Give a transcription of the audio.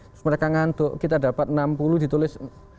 terus mereka ngantuk kita dapat enam puluh ditulis